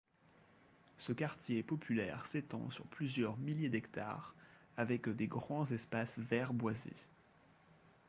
Ce quartier populaire s'étend sur plusieurs milliers d'hectares, avec des grands espaces verts boisées.